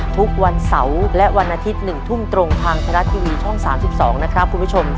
ทุกวันเสาร์และวันอาทิตย์๑ทุ่มตรงทางไทยรัฐทีวีช่อง๓๒นะครับคุณผู้ชม